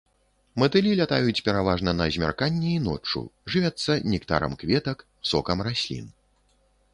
Матылі лятаюць пераважна на змярканні і ноччу, жывяцца нектарам кветак, сокам раслін.